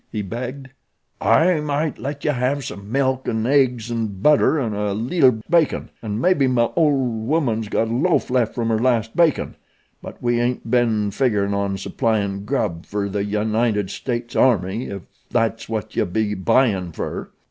he begged. "I might let ye have some milk an' eggs an' butter an' a leetle bacon an' mebby my ol' woman's got a loaf left from her last bakin'; but we ain't been figgerin' on supplyin' grub fer the United States army ef that's what yew be buyin' fer."